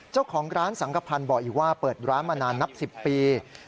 เจ้าของร้านสังกภัณฑ์บอกอีกว่าเปิดร้านมานานนับ๑๐ปี